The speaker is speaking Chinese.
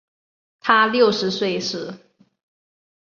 她六十岁时